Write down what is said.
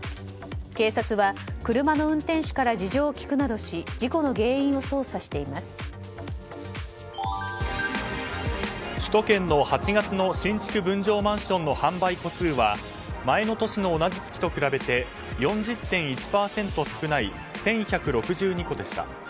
警察は車の運転手から事情を聴くなどし首都圏の８月の新築分譲マンションの販売戸数は前の年の同じ月と比べて４０．１％少ない１１６２戸でした。